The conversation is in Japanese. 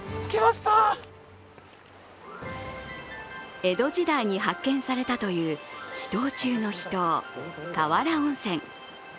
江戸時代に発見されたという秘湯中の秘湯、河原温泉。